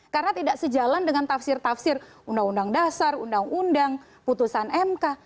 karena tidak sejalan dengan tafsir tafsir undang undang dasar undang undang putusan mk